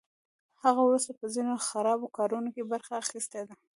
هغه وروسته په ځینو خرابو کارونو کې برخه اخیستې ده